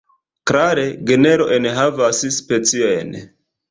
Klare, genro enhavas speciojn.